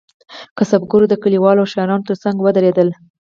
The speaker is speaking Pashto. کسبګر د کلیوالو او ښاریانو ترڅنګ ودریدل.